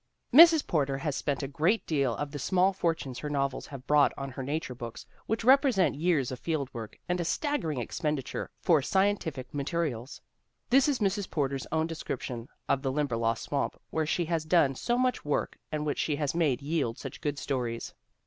Mrs. Porter has spent a great deal of the small fortunes her novels have brought her on nature books which represent years of field work and a staggering expenditure for scientific materials. This is Mrs. Porter's own description of the Lim berlost swamp where she has done so much work and which she has made yield such good stories.